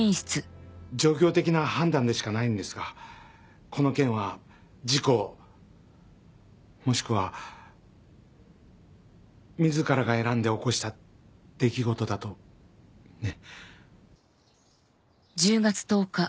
状況的な判断でしかないんですがこの件は事故もしくは自らが選んで起こした出来事だとね。